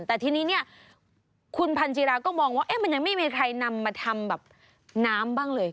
แต่ทีนี้เนี่ยคุณพันจีราก็มองว่ามันยังไม่มีใครนำมาทำแบบน้ำบ้างเลย